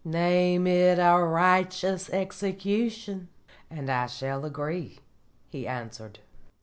"Name it a righteous execution, and I shall agree," he answered.